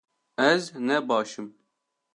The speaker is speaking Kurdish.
Ez ne baş im